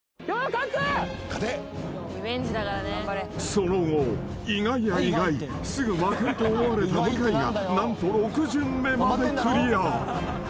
［その後意外や意外すぐ負けると思われた向井が何と６巡目までクリア］